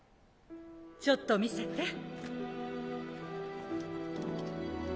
ちょっと見せて。